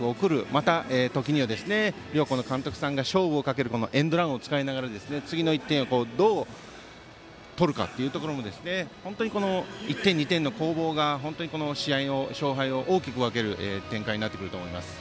また、時には両校の監督さんが勝負をかけるエンドランを使いながら次の１点をどう取るかというところ本当に１点、２点の攻防がこの試合の勝敗を大きく分ける展開になってくると思います。